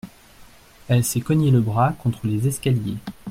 Elle s’est cognée le bras contre les escaliers.